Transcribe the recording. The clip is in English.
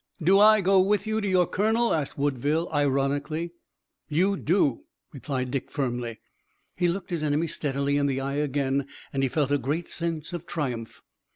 "Do I go with you to your colonel?" asked Woodville, ironically. "You do," replied Dick firmly. He looked his enemy steadily in the eye again, and he felt a great sense of triumph.